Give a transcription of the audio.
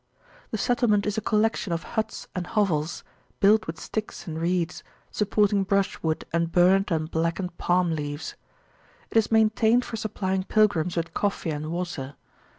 The settlement is a collection of huts and hovels, built with sticks and reeds, supporting brushwood and burned and blackened palm leaves. It is maintained for supplying pilgrims with coffee and water.